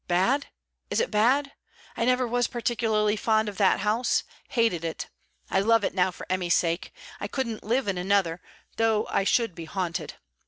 Bad? Is it bad? I never was particularly fond of that house hated it. I love it now for Emmy's sake. I couldn't live in another though I should be haunted.